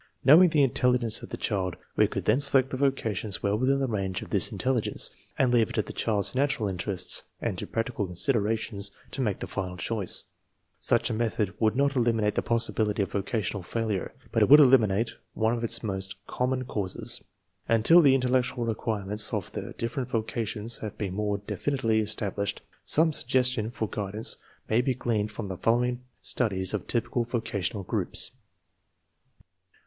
Knowing the intelligence of the child we could then select the vocations well within the range of this intelligence, and leave it to the child's natural interests and to practical considerations to make the final choice. Such a method would not elimi nate the possibility of vocational failure, but it would eliminate one of its most common causes. Until the intellectual requirements of ..the different vocations have been more definitely established, some sugges tion for guidance may be gleaned from the following studies of typical vocational groups.